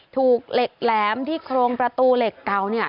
ถูกเหล็กแหลมที่โครงประตูเหล็กเก่า